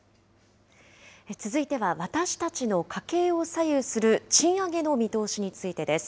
続いては、私たちの家計を左右する賃上げの見通しについてです。